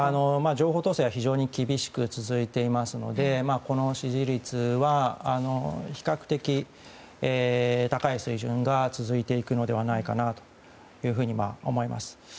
情報統制は非常に厳しく続いていますのでこの支持率は比較的高い水準が続いていくのではないかなというふうに思います。